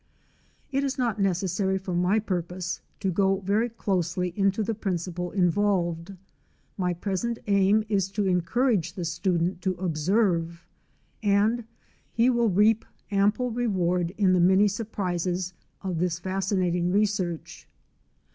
* It is not necessary for my purpose to go very closely into the principle involved. My present aim is to encourage the student to observe, and he will reap ample reward in the many surprises of this fascinating research.